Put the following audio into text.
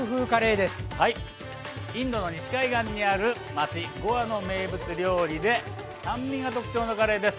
インドの西海岸にある町ゴアの名物料理で酸味が特徴のカレーです。